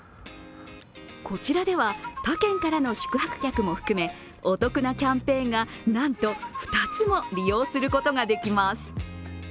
こちらでは他県からの宿泊客も含めお得なキャンペーンがなんと２つも利用することができます。